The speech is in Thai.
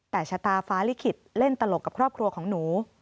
แต่ชะตาฟ้าลิขิตเล่นตลกกับครอบครัวของหนู